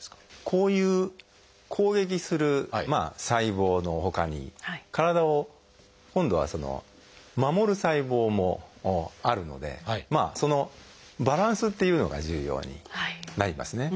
こういう攻撃する細胞のほかに体を今度は守る細胞もあるのでそのバランスというのが重要になりますね。